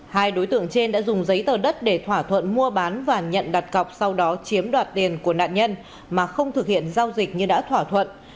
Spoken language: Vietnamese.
hai đối tượng trên đã dùng giấy tờ đất để thỏa thuận mua bán và nhận đặt cọc sau đó chiếm đoạt tiền của nạn nhân mà không thực hiện giao dịch như đã thỏa thuận